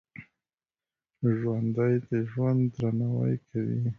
ژوندي د ژوند درناوی کوي